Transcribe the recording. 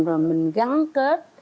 rồi mình gắn kết